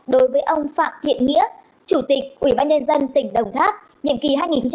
đối với ông phạm thiện nghĩa chủ tịch ủy ban nhân dân tỉnh đồng tháp nhiệm kỳ hai nghìn hai mươi một hai nghìn hai mươi sáu